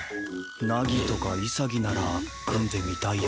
凪とか潔なら組んでみたいよな。